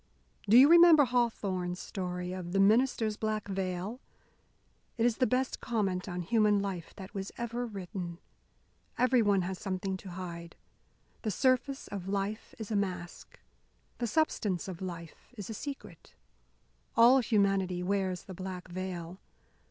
"Do you remember Hawthorne's story of 'The Minister's Black Veil?' It is the best comment on human life that ever was written. Everyone has something to hide. The surface of life is a mask. The substance of life is a secret. All humanity wears the black veil.